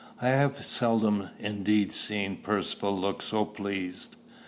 I have seldom indeed seen Percivale look so pleased.